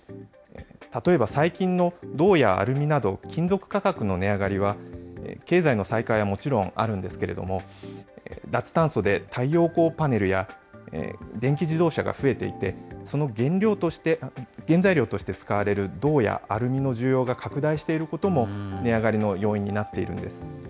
例えば最近の銅やアルミなど、金属価格の値上がりは、経済の再開はもちろんあるんですけれども、脱炭素で太陽光パネルや電気自動車が増えていて、その原材料として使われる銅やアルミの需要が拡大していることも、値上がりの要因になっているんです。